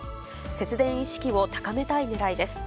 節電意識を高めたいねらいです。